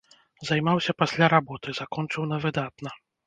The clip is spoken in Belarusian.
Займаўся пасля работы, закончыў на выдатна.